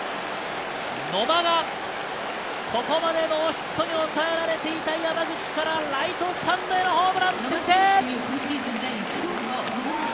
野間がここまでノーヒットに抑えられていた山口からライトスタンドへホームラン。